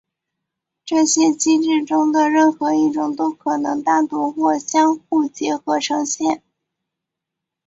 这些机制中的任何一种都可能单独或相互结合呈现。